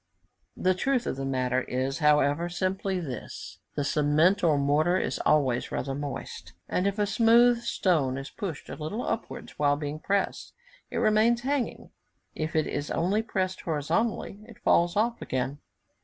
The truth of the matter is, however, simply this: the cement or mortar is always rather moist, and if a smooth stone is pushed a little upwards while being pressed, it remains hanging; if it is only pressed horizontally, it falls off again.